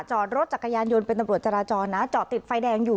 จอดรถจักรยานยนต์เป็นตำรวจจราจรนะจอดติดไฟแดงอยู่